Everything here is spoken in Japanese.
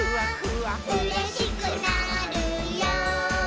「うれしくなるよ」